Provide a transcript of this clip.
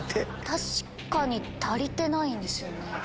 確かに足りてないんですよね。